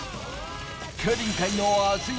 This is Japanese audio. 競輪界のアツい！